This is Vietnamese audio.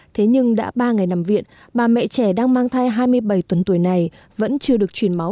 thế nhưng đã ba ngày nằm viện bà mẹ trẻ đang mang thai hai mươi bảy tuần tuổi này vẫn chưa được chuyển máu